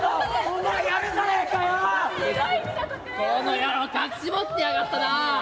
この野郎隠し持ってやがったな。